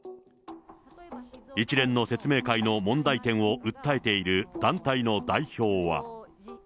一連の説明会の問題点を訴えている団体の代表は。